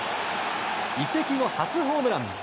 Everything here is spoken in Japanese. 移籍後初ホームラン。